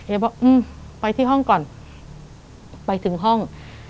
บอกอืมไปที่ห้องก่อนไปถึงห้อง